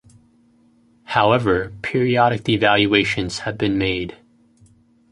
However periodic devaluations have been made.